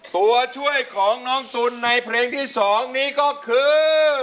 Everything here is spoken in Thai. ตัวช่วยของน้องตุ๋นในเพลงที่๒นี้ก็คือ